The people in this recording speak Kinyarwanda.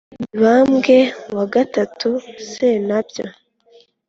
mibambwe wa gatatu sentabyo